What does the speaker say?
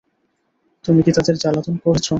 তুমি কি তাদের জ্বালাতন করেছ?